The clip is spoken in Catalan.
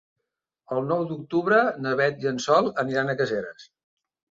El nou d'octubre na Beth i en Sol aniran a Caseres.